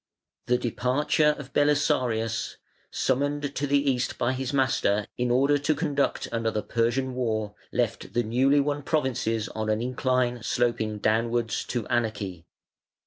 The departure of Belisarius, summoned to the East by his master in order to conduct another Persian war, left the newly won provinces on an in cline sloping downwards to anarchy.